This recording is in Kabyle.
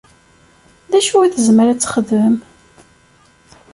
D acu i tezmer ad texdem?